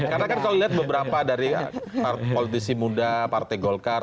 karena kan kalau lihat beberapa dari politisi muda partai golkar